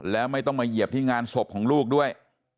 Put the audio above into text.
แล้วไม่ต้องมาเหยียบที่งานศพของลูกด้วย